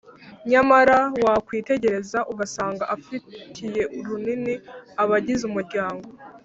nyamara wakwitegereza ugasanga afatiye runini abagize umuryango